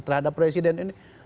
terhadap presiden ini